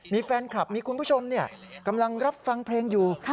มีแฟนคลับมีคุณผู้ชมกำลังรับฟังเพลงอยู่